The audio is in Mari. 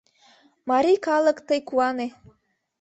Марий калык, тый куане: